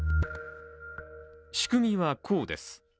仕組みはこうです。